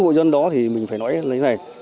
ba mươi chín hội dân đó thì mình phải nói lời này